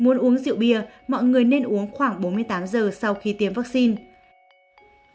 nếu muốn uống rượu bia mọi người nên uống khoảng bốn mươi tám giờ sau khi tiêm vaccine